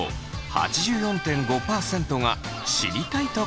８４．５％が知りたいと答えました。